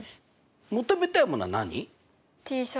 求めたいものは何？